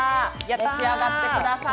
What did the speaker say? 召し上がってください。